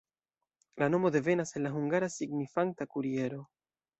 La nomo devenas el la hungara, signifanta kuriero.